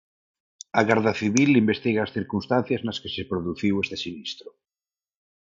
A Garda Civil investiga as circunstancias nas que se produciu este sinistro.